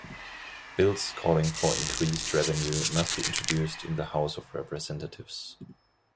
Bills calling for increased revenue must be introduced in the House of Representatives.